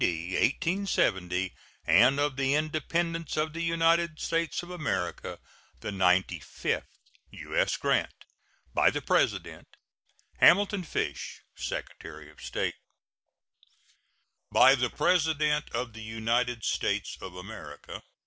1870, and of the Independence of the United States of America the ninety fifth. U.S. GRANT. By the President: HAMILTON FISH, Secretary of State. BY THE PRESIDENT OF THE UNITED STATES OF AMERICA.